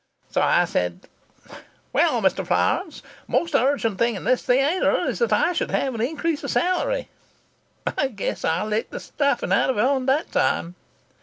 So I said, 'Well, Mr. Florance, the most urgent thing in this theatre is that I should have an increase of salary!' I guess I licked the stuffing out of him that time."